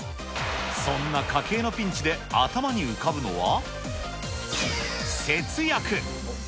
そんな家計のピンチで頭に浮かぶのは、節約。